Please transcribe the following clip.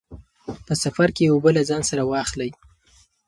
په سفر کې اوبه له ځان سره واخلئ.